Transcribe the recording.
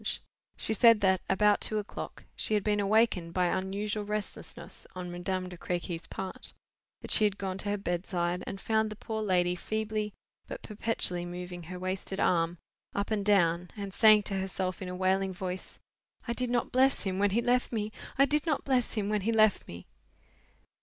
She said that, about two o'clock, she had been awakened by unusual restlessness on Madame de Crequy's part; that she had gone to her bedside, and found the poor lady feebly but perpetually moving her wasted arm up and down—and saying to herself in a wailing voice: 'I did not bless him when he left me—I did not bless him when he left me!